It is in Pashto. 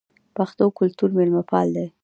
پښتو کلتور میلمه پال دی